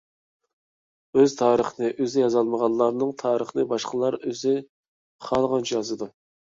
ئۆز تارىخىنى ئۆزى يازالمىغانلارنىڭ تارىخىنى باشقىلار ئۆزى خالىغانچە يازىدۇ.